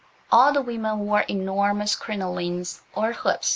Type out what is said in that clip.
All the women wore enormous crinolines–or hoops.